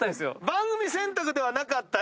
番組選択ではなかった。